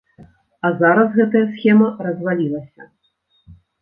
А зараз гэтая схема развалілася.